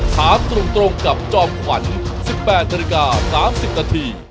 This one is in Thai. ถามตรงกับจอมขวัญ๑๘นาฬิกา๓๐นาที